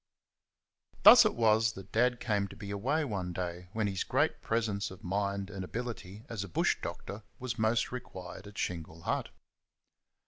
Thus it was that Dad came to be away one day when his great presence of mind and ability as a bush doctor was most required at Shingle Hut.